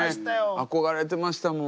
憧れてましたもん。